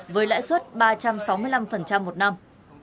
với lãi suất ba trăm sáu mươi năm một năm